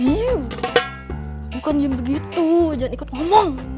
iyuh bukan yang begitu jangan ikut ngomong